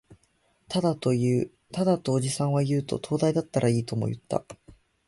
ただ、とおじさんは言うと、灯台だったらいい、とも言った